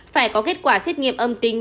phải có kết quả xét nghiệm âm tính